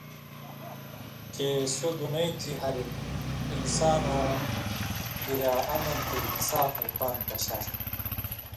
چِہ سَو دُنئ تھی ہار انسانوں کِراں امن تے انصافَئیں پاند پَشاݜَت